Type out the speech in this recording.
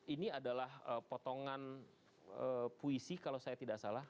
ini adalah potongan puisi kalau saya tidak salah